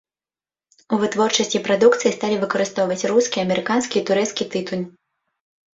У вытворчасці прадукцыі сталі выкарыстоўваць рускі, амерыканскі і турэцкі тытунь.